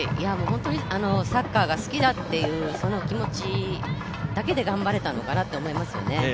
本当にサッカーが好きだというその気持ちだけで頑張れたのかなと思いますよね。